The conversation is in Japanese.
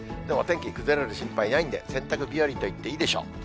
でもお天気崩れる心配はないんで、洗濯日和といっていいでしょう。